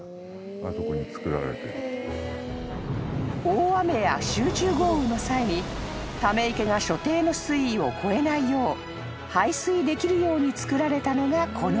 ［大雨や集中豪雨の際にため池が所定の水位を超えないよう排水できるようにつくられたのがこの穴］